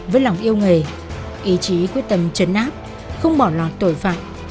với lòng yêu nghề ý chí quyết tâm chấn áp không bỏ lọt tội phạm